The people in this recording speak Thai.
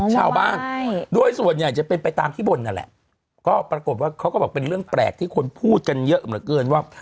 ชาวบ้านโดยส่วนใหญ่จะเป็นไปตามที่บนนั่นแหละก็ปรากฏว่าเขาก็บอกเป็นเรื่องแปลกที่คนพูดกันเยอะเหลือเกินว่า